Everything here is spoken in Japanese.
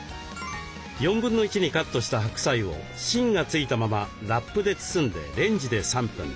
1/4にカットした白菜を芯がついたままラップで包んでレンジで３分。